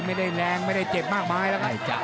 ไม่ได้แรงไม่ได้เจ็บมากมายแล้วก็